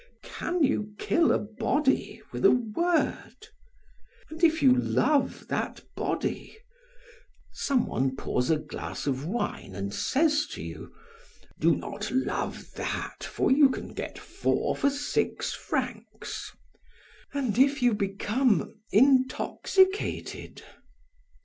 Can you kill a body with a word? "And if you love that body? Some one pours a glass of wine and says to you: 'Do not love that, for you can get four for six francs.' And if you become intoxicated?